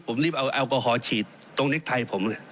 ผมรีบเอาแอลกอฮอลฉีดตรงเน็กไทยผมเลย